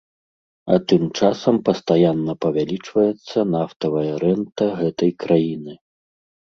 А тым часам пастаянна павялічваецца нафтавая рэнта гэтай краіны.